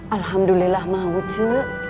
alhamdulillah mau cuk